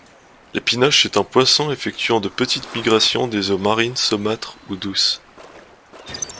L'épinoche est un poisson effectuant de petites migrations des eaux marines, saumâtres ou douces.